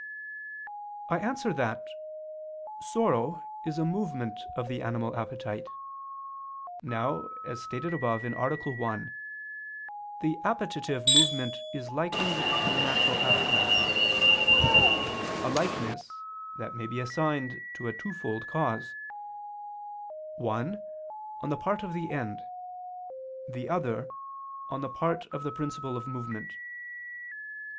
I answer that, Sorrow is a movement of the animal appetite. Now, as stated above (A. 1), the appetitive movement is likened to the natural appetite; a likeness, that may be assigned to a twofold cause; one, on the part of the end, the other, on the part of the principle of movement.